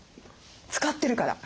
使ってるから。